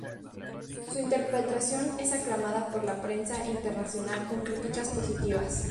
Su interpretación es aclamada por la prensa internacional con críticas positivas.